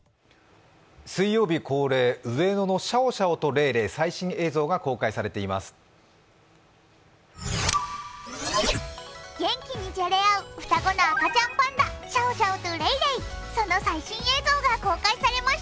水曜日恒例、上野のシャオシャオとレイレイ最新映像が公開されています。